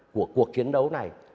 của cuộc chiến đấu này